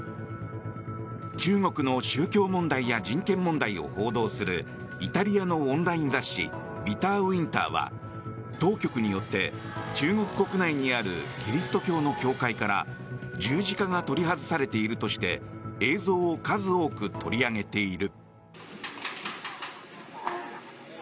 中国の宗教問題や人権問題を報道するイタリアのオンライン雑誌「ビター・ウィンター」は当局によって中国国内にあるキリスト教の教会から十字架が取り外されているとして映像を数多く取り上げている。